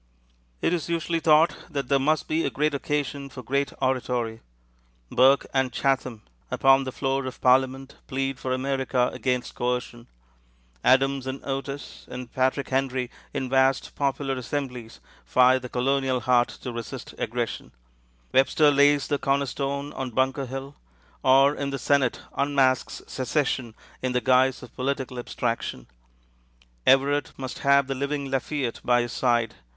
It is usually thought that there must be a great occasion for great oratory. Burke and Chatham upon the floor of Parliament plead for America against coercion; Adams and Otis and Patrick Henry in vast popular assemblies fire the colonial heart to resist aggression; Webster lays the corner stone on Bunker Hill, or in the Senate unmasks secession in the guise of political abstraction; Everett must have the living Lafayette by his side.